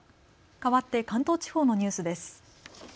かわって関東地方のニュースです。